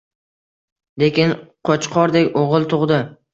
Lekin qo`chqordek o`g`il tug`di